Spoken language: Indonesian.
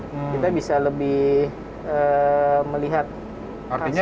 kita bisa lebih melihat hanya